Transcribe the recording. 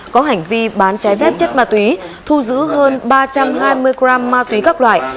có hành vi bán trái phép chất ma túy thu giữ hơn ba trăm hai mươi g ma túy các loại